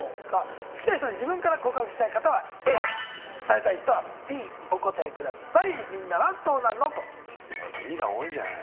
好きな人に自分から告白したい方はＡ、されたい人はＢ、お答えください。